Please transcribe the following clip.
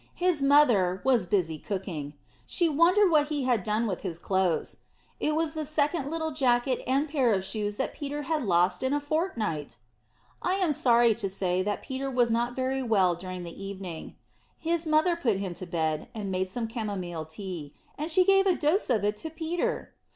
His mother was busy cooking; she wondered what he had done with his clothes. It was the second little jacket and pair of shoes that Peter had lost in a fortnight! I am sorry to say that Peter was not very well during the evening. His mother put him to bed, and made some camomile tea; and she gave a dose of it to Peter!